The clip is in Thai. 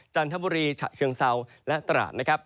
จันทบุรีฉะเคียงเซาและตราด